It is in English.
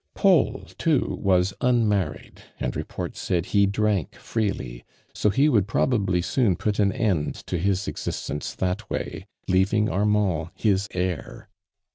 Paul, too, was unmarried, and report said ho drank freely, so he would probably soon put an end to his existence that way, leaving Armand his heir.